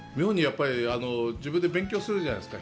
自分で勉強するじゃないですか。